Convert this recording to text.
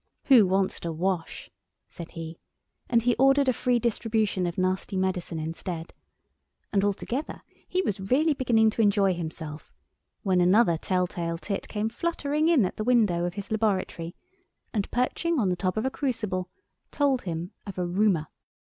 "Who wants to wash?" said he, and he ordered a free distribution of nasty medicine instead; and altogether he was really beginning to enjoy himself when another tell tale tit came fluttering in at the window of his laboratory, and, perching on the top of a crucible, told him of a Rumour.